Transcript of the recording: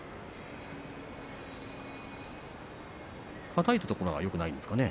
はたいたところがよくないんでしょうかね。